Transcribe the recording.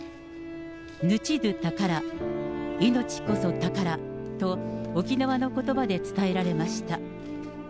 命どぅ宝、命こそ宝と沖縄のことばで伝えられました。